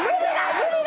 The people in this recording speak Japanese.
無理だ！